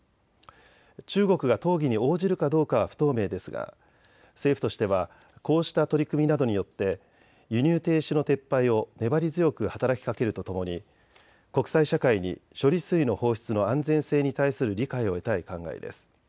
中国が討議に応じるかどうかは不透明ですが、政府としてはこうした取り組みなどによって輸入停止の撤廃を粘り強く働きかけるとともに国際社会に処理水の放出の安全性に対する理解を得たい考えです。